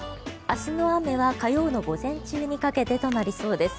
明日の雨は火曜の午前中にかけてとなりそうです。